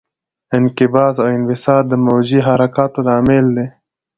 انقباض او انبساط د موجي حرکاتو لامل کېږي.